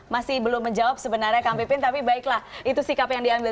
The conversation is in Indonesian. masih belum menjawab sebenarnya kang pipin tapi baiklah itu sikap yang diambil